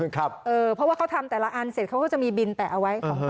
เพราะว่าเขาทำแต่ละอันเสร็จเขาก็จะมีบินแปะเอาไว้